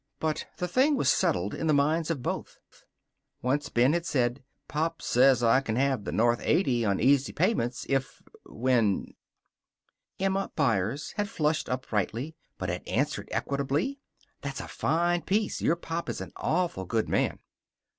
But the thing was settled in the minds of both. Once Ben had said: "Pop says I can have the north eighty on easy payments if when " Emma Byers had flushed up brightly, but had answered equably: "That's a fine piece. Your pop is an awful good man."